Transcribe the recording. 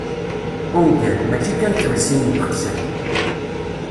Ungal, mačči kan d tulsin n teqsiṭ.